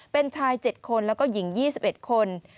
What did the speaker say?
เป็นชาย๗คนแล้วก็หญิง๒๑คน